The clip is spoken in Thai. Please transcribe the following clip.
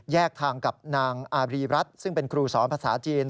ทางกับนางอารีรัฐซึ่งเป็นครูสอนภาษาจีน